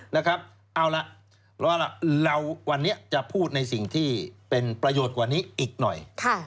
เอาล่ะเราวันนี้จะพูดในสิ่งที่เป็นประโยชน์กว่านี้อีกหน่อย